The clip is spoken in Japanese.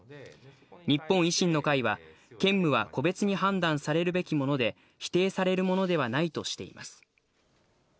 日本維新の会は兼務は個別に判断されるべきもので、否定されるものではないとしています。